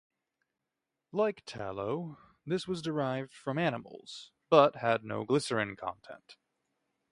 Like tallow, this was derived from animals, but had no glycerine content.